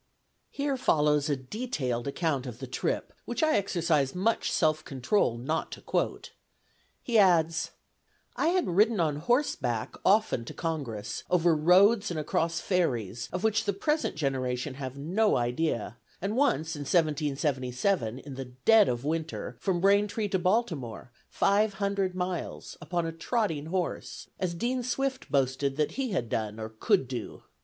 Here follows a detailed account of the trip, which I exercise much self control not to quote. He adds: "I had ridden on horseback often to Congress, over roads and across ferries, of which the present generation have no idea; and once, in 1777, in the dead of winter, from Braintree to Baltimore, five hundred miles, upon a trotting horse, as Dean Swift boasted that he had done or could do.